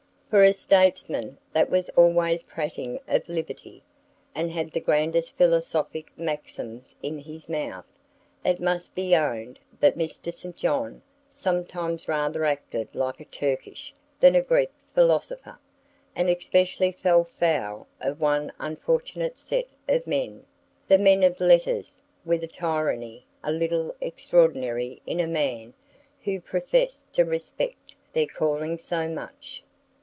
For a statesman that was always prating of liberty, and had the grandest philosophic maxims in his mouth, it must be owned that Mr. St. John sometimes rather acted like a Turkish than a Greek philosopher, and especially fell foul of one unfortunate set of men, the men of letters, with a tyranny a little extraordinary in a man who professed to respect their calling so much.